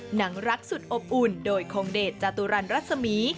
หลังรักสุดอบอุ่นโดยคงเดชจาตุรันรัศมี